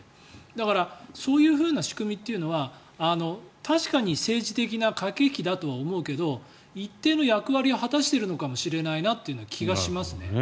だからそういう仕組みというのは確かに政治的な駆け引きだとは思うけど一定の役割を果たしているのかもしれないなという気がしますね。